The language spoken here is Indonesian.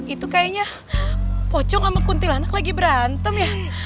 itu kayaknya pocong sama kuntilanak lagi berantem ya